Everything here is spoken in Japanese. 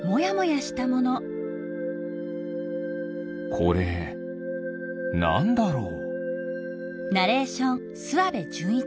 これなんだろう？